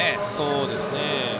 そうですね。